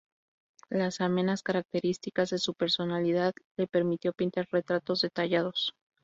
Las amenas características de su personalidad, le permitió pintar retratos detallados.